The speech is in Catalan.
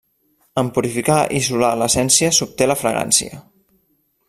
En purificar i isolar l'essència s'obté la fragància.